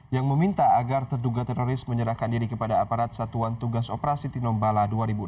yang meminta agar terduga teroris menyerahkan diri kepada aparat satuan tugas operasi tinombala dua ribu enam belas